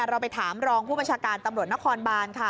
แล้วเราไปถามรองผู้มจการตำรวจนครบานค่ะ